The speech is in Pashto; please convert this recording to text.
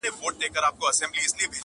ويل زموږ د سر امان دي وې سلطانه-